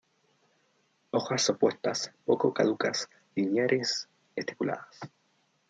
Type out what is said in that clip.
Hojas opuestas, poco caducas, lineares, estipuladas.